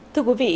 thưa quý vị